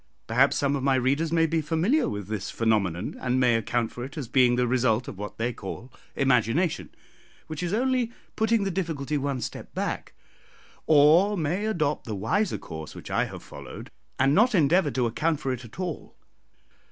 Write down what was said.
Perhaps some of my readers may be familiar with this phenomenon, and may account for it as being the result of what they call imagination, which is only putting the difficulty one step back; or may adopt the wiser course which I have followed, and not endeavour to account for it at all.